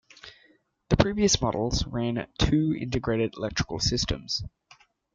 The previous models ran two integrated electrical systems.